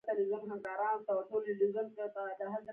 غلو لاره بنده کړې وه.